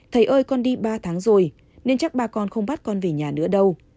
thầy ơi con đi ba tháng rồi nên chắc ba con không bắt con về nhà nữa đâu